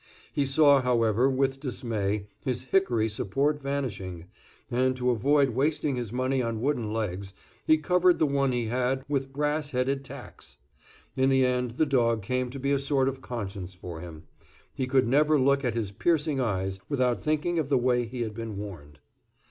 He saw, however, with dismay, his hickory support vanishing, and to avoid wasting his money on wooden legs he covered the one he had with brass headed tacks. In the end the dog came to be a sort of conscience for him. He could never look at his piercing eyes without thinking of the way he had been warned.